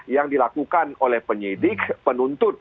yang dilakukan oleh penyidik penuntut